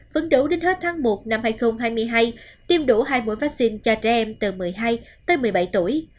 phấn đấu đến hết tháng một năm hai nghìn hai mươi hai tiêm đủ hai mũi vaccine cho trẻ em từ một mươi hai tới một mươi bảy tuổi